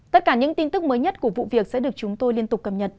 tất cả những tin tức mới nhất của vụ việc sẽ được chúng tôi liên tục cập nhật